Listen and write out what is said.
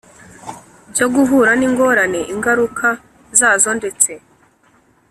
Byo guhura n ingorane ingaruka zazo ndetse